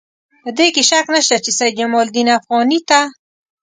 په دې کې شک نشته چې سید جمال الدین افغاني ته.